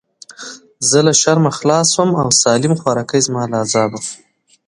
زه له شرمه خلاص سوم او سالم خواركى زما له عذابه.